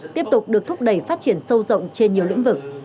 tiếp tục được thúc đẩy phát triển sâu rộng trên nhiều lĩnh vực